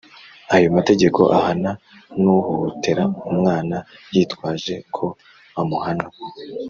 ayo mategeko ahana n’uhohotera umwana yitwaje ko amuhana.